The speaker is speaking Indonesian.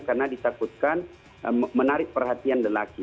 karena ditakutkan menarik perhatian lelaki